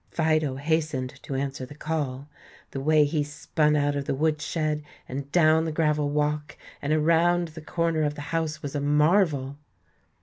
Fido hastened to answer the call; the way he spun out of the wood shed and down the gravel walk and around the corner of the house was a marvel.